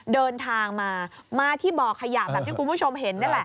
เดินทางมามาที่บ่อขยะแบบที่คุณผู้ชมเห็นนี่แหละ